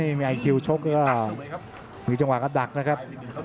ไม่มีมีอยากุ้งชุดดากครับอีกจังหวะกับดักครับ